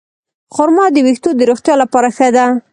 خرما د ویښتو د روغتیا لپاره ښه ده.